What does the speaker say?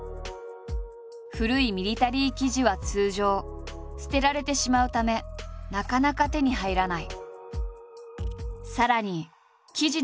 古いミリタリー生地は通常捨てられてしまうためなかなか手に入らない。